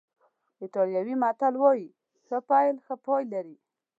ایټالوي متل وایي ښه پیل ښه پای لري.